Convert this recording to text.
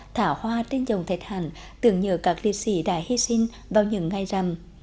thả hoa trên dòng tài thản tưởng nhờ các liệt sĩ đã hy sinh vào những ngày rằm